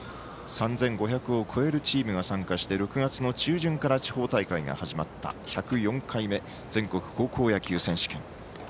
３５００を超えるチームが参加して６月の中旬から地方大会が始まった、１０４回目全国高校野球選手権。